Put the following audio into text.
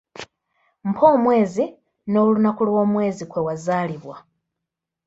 Mpa omwezi n’olunaku lw'omwezi kwe wazaalibwa.